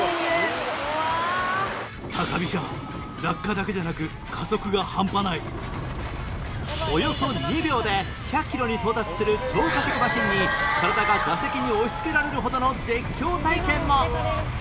高飛車およそ２秒で１００キロに到達する超加速マシンに体が座席に押し付けられるほどの絶叫体験も